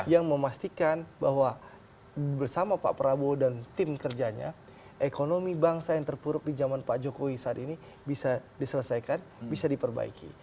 yang memastikan bahwa bersama pak prabowo dan tim kerjanya ekonomi bangsa yang terpuruk di zaman pak jokowi saat ini bisa diselesaikan bisa diperbaiki